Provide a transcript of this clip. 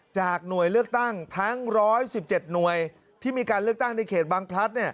หน่วยเลือกตั้งทั้ง๑๑๗หน่วยที่มีการเลือกตั้งในเขตบางพลัด